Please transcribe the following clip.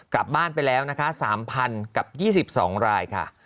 กลับบ้านไปแล้วนะคะ๓๐๐กับ๒๒รายค่ะ